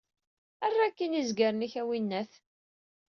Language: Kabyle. Err akkin izgaren-ik a winnat.